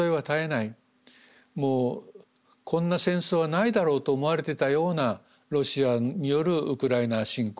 もうこんな戦争はないだろうと思われてたようなロシアによるウクライナ侵攻